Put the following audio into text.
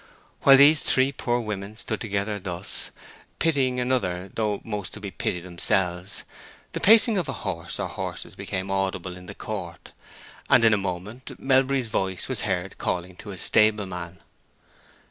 While these three poor women stood together thus, pitying another though most to be pitied themselves, the pacing of a horse or horses became audible in the court, and in a moment Melbury's voice was heard calling to his stableman.